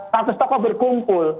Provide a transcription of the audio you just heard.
satu stokok berkumpul